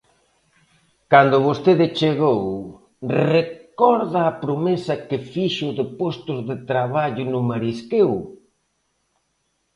Cando vostede chegou, ¿recorda a promesa que fixo de postos de traballo no marisqueo?